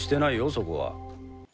そこは。